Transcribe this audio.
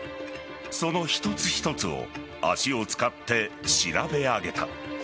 その一つ一つを足を使って調べ上げた。